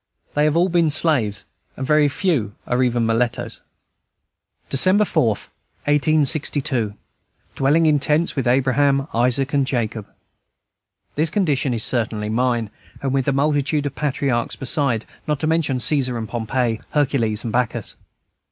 They have all been slaves, and very few are even mulattoes. December 4, 1862. "Dwelling in tents, with Abraham, Isaac, and Jacob." This condition is certainly mine, and with a multitude of patriarchs beside, not to mention Caesar and Pompey, Hercules and Bacchus.